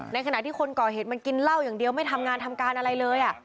ในขณะที่คนก่อเหตุมันกินเหล้าอย่างเดียวไม่ทำงานทำการอะไรเลย